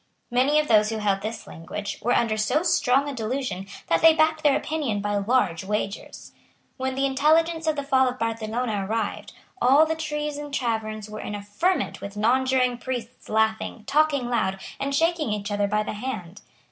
Many of those who held this language were under so strong a delusion that they backed their opinion by large wagers. When the intelligence of the fall of Barcelona arrived, all the treason taverns were in a ferment with nonjuring priests laughing, talking loud, and shaking each other by the hand.